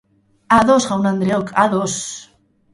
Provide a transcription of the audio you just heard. Ados jaun-andreok ados!